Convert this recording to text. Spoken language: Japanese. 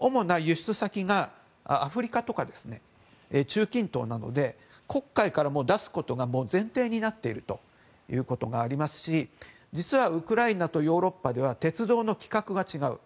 主な輸出先がアフリカとか中近東なので黒海から出すことが前提になっているということがありますし実はウクライナとヨーロッパでは鉄道の規格が違う。